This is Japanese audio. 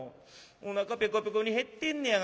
おなかペコペコに減ってんねやがな。